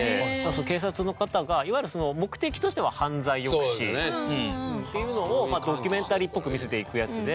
警察の方がいわゆる目的としては犯罪抑止っていうのをドキュメンタリーっぽく見せていくやつで。